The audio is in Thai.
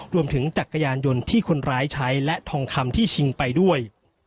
จักรยานยนต์ที่คนร้ายใช้และทองคำที่ชิงไปด้วย